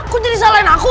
kan jadi salahin aku